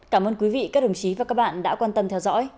cảm ơn quý vị các đồng chí và các bạn đã quan tâm theo dõi